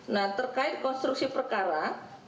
nah terkait konstruksi perkara